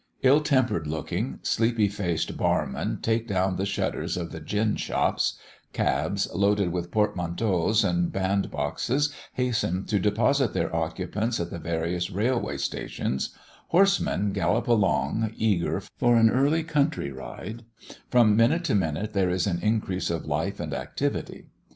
Ill tempered looking, sleepy faced barmen take down the shutters of the gin shops; cabs, loaded with portmanteaus and band boxes, hasten to deposit their occupants at the various railway stations; horsemen gallop along, eager for an early country ride; from minute to minute there is an increase of life and activity.